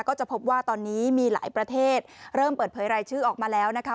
ก็จะพบว่าตอนนี้มีหลายประเทศเริ่มเปิดเผยรายชื่อออกมาแล้วนะคะ